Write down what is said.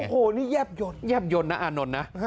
โอ้โหนี่แย่บโยนนะอานนนท์นะ